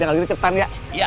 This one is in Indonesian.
jangan gitu cepetan ya